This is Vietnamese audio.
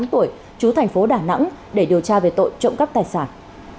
hai mươi tám tuổi chú thành phố đà nẵng để điều tra về tội trộm cắp tài sản